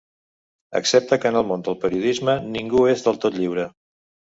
Accepta que en el món del periodisme ningú no és del tot lliure.